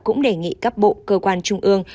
cũng đề nghị các bộ cơ quan trung ương